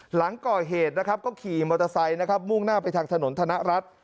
หลังก่อเหตุก็ขี่มอเตอร์ไซส์มุ่งหน้าไปทางถนนธนรัฐ